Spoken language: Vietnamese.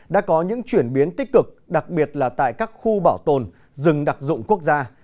đã có những chuyển biến tích cực đặc biệt là tại các khu bảo tồn rừng đặc dụng quốc gia